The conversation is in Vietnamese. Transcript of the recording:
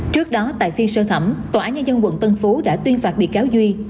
trước đó tại phiên sơ thẩm tòa án nhân dân quận tân phú đã tuyên phạt bị cáo duy